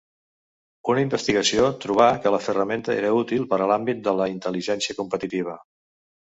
Una investigació trobà que la ferramenta era útil per a l'àmbit de la intel·ligència competitiva.